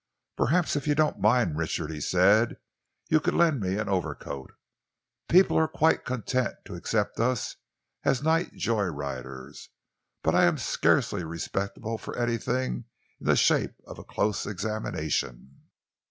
"'Perhaps if you don't mind, Richard,' he said, 'you could lend me an overcoat. People are quite content to accept us as night joy riders, but I am scarcely respectable for anything in the shape of a close examination.'